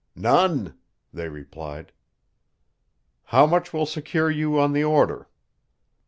"None," they replied. "How much will secure you on the order?"